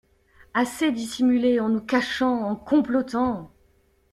Assez dissimulé, en nous cachant, en complotant!